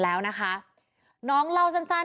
แล้วนะคะน้องเล่าสั้นสั้น